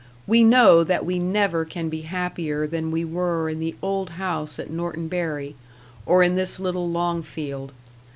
We know that we never can be happier than we were in the old house at Norton Bury, or in this little Longfield.